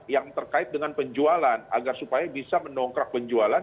yang terkait dengan penjualan agar supaya bisa mendongkrak penjualan